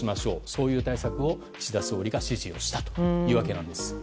そういう対策を岸田総理が指示をしたというわけなんです。